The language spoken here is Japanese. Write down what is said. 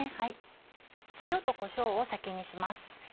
塩とこしょうを先にします。